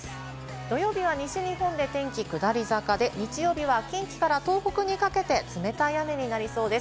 土曜日は西日本で天気下り坂、日曜日は近畿から東北にかけて冷たい雨になりそうです。